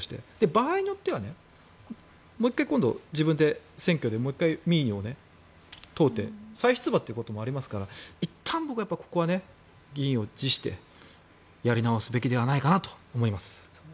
場合によってはもう１回今度自分で選挙でもう１回民意を問うて再出馬ということもありますからいったん僕はここは議員を辞してやり直すべきではないかなと思います。